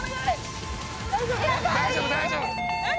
大丈夫大丈夫！